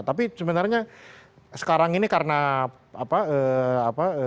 tapi sebenarnya sekarang ini karena apa